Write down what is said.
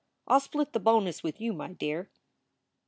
I ll split the bonus with you, my dear."